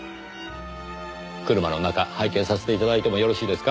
車の中拝見させて頂いてもよろしいですか？